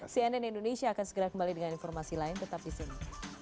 cnn indonesia akan segera kembali dengan informasi lain tetap di sini